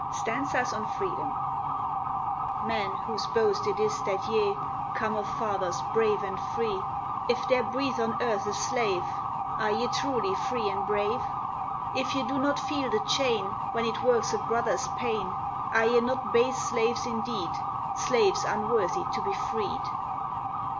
STANZAS ON FREEDOM Men! whose boast it is that ye Come of fathers brave and free, If there breathe on earth a slave, Are ye truly free and brave? If ye do not feel the chain, When it works a brother's pain, Are ye not base slaves indeed, Slaves unworthy to be freed?